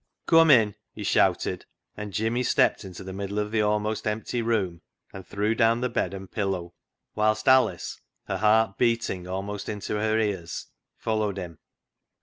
"Cum in," he shouted, and Jimmy stepped into the middle of the almost empty room and threw down the bed and pillow, whilst Alice, her heart beating almost into her ears, followed him.